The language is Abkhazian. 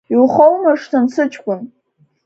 Иухоумыршҭын, сыҷкәын…